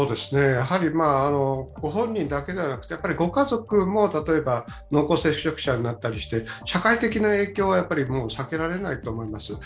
ご本人だけではなくてご家族も濃厚接触者になったりして社会的な影響は避けられないと思います。